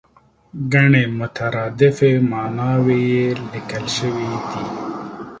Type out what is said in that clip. ګڼې مترادفې ماناوې یې لیکل شوې دي.